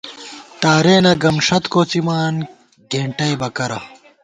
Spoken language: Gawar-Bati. تارېنہ گمݭت کوڅِمان گېنٹَئیبہ کرہ